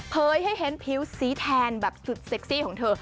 ให้เห็นผิวสีแทนแบบสุดเซ็กซี่ของเธอ